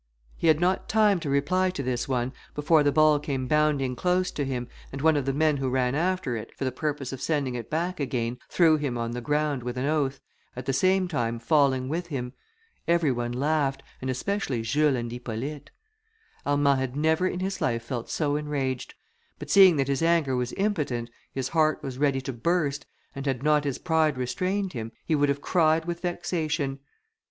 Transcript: He had not time to reply to this one, before the ball came bounding close to him, and one of the men who ran after it, for the purpose of sending it back again, threw him on the ground with an oath, at the same time falling with him; every one laughed, and especially Jules and Hippolyte. Armand had never in his life felt so enraged, but seeing that his anger was impotent, his heart was ready to burst, and had not his pride restrained him, he would have cried with vexation.